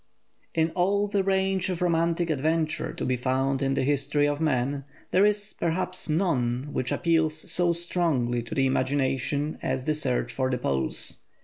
In all the range of romantic adventure to be found in the history of man, there is, perhaps, none which appeals so strongly to the imagination as the search for the Poles.